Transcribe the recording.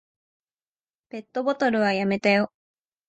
ペットボトルはやめたよ。